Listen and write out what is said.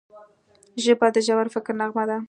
ژبه د ژور فکر نغمه ده